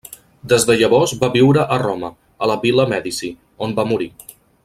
Des de llavors va viure a Roma, a la Vil·la Mèdici, on va morir.